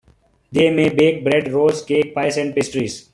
They may bake bread, rolls, cakes, pies, and pastries.